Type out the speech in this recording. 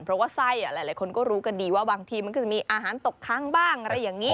เพราะว่าไส้หลายคนก็รู้กันดีว่าบางทีมันก็จะมีอาหารตกค้างบ้างอะไรอย่างนี้